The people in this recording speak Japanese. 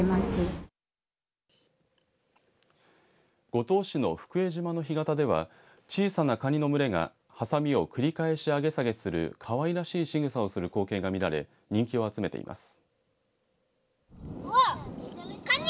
五島市の福江島の干潟では小さなカニの群れがハサミを繰り返し、上げ下げするかわいらしいしぐさをする光景が見られ人気を集めています。